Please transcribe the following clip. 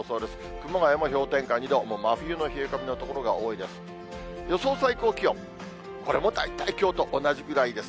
熊谷も氷点下２度、もう真冬の冷え込みの所が多いです。